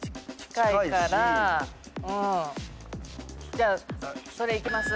じゃあそれいきます？